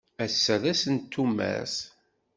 Ass-a d ass n tumert.